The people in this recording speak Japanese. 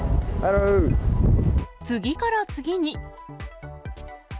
次から次に。